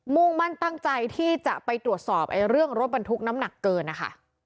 มุ่งมั่นตั้งใจที่จะไปตรวจสอบเรื่องรถบรรทุกน้ำหนักเกินนะคะ